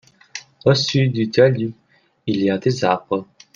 Au sud du talus il y a des arbres.